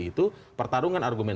itu pertarungan argumen